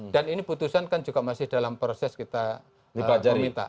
dan ini putusan kan juga masih dalam proses kita meminta